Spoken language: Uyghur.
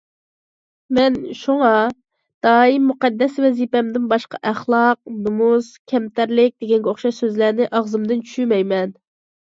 مەن شۇڭا دائىم مۇقەددەس ۋەزىپەمدىن باشقا ئەخلاق، نومۇس، كەمتەرلىك دېگەنگە ئوخشاش سۆزلەرنى ئاغزىمدىن چۈشۈرمەيمەن.